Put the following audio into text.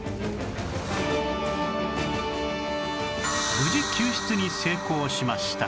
無事救出に成功しました